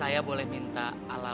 anda akan minta pihak dari sars paralya